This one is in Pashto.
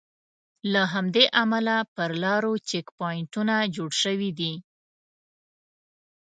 له همدې امله پر لارو چیک پواینټونه جوړ شوي دي.